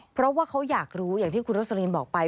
เพราะว่าเขาอยากรู้อย่างที่คุณโรสลินบอกไป